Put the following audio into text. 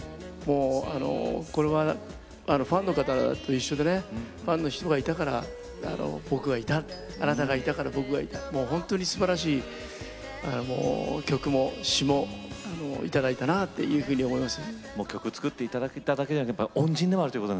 これはファンの方と一緒でファンの人がいたから僕がいた、あなたがいたから僕がいた本当にすばらしい曲も詞もいただいたなというふうに思います。